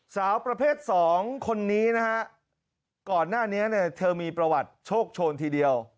สาวประเภทสองคนนี้นะฮะก่อนหน้านี้เนี่ยเธอมีประวัติโชคโชนทีเดียว